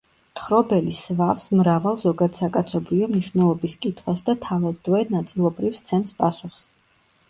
მთხრობელი სვავს მრავალ ზოგადსაკაცობრიო მნიშვნელობის კითხვას და თავადვე ნაწილობრივ სცემს პასუხს.